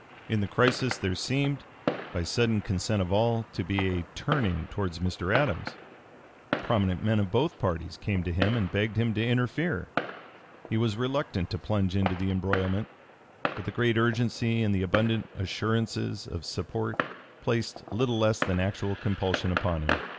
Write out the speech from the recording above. In the crisis there seemed, by sudden consent of all, to be a turning towards Mr. Adams. Prominent men of both parties came to him and begged him to interfere. He was reluctant to plunge into the embroilment; but the great urgency and the abundant assurances of support placed little less than actual compulsion upon him.